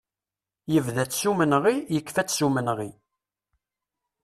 Yebda-tt s umenɣi, yekfa-tt s umenɣi.